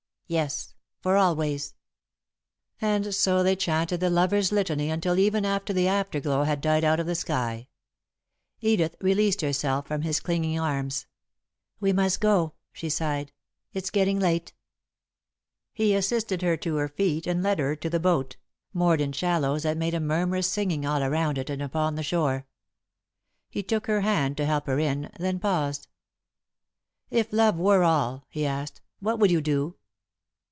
"Yes, for always." And so they chanted the lover's litany until even the afterglow had died out of the sky. Edith released herself from his clinging arms. "We must go," she sighed. "It's getting late." [Sidenote: If] He assisted her to her feet, and led her to the boat, moored in shallows that made a murmurous singing all around it and upon the shore. He took her hand to help her in, then paused. "If love were all," he asked, "what would you do?"